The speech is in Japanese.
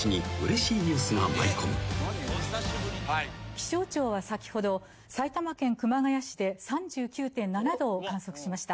「気象庁は先ほど埼玉県熊谷市で３９．７℃を観測しました」